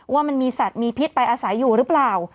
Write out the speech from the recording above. ว่ามันมีสัตว์มีพิษไปอาศัยอยู่หรือเปล่า